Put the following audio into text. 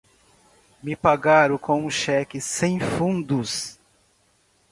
Me pagaram com um cheque sem fundos.